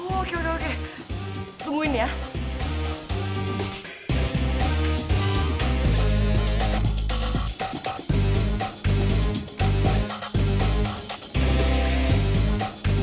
oke oke tungguin ya